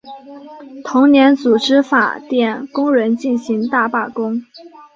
同年组织法电工人进行大罢工。